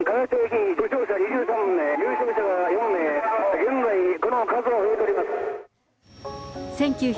現在、この数は増えております。